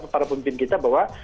para pemimpin kita bahwa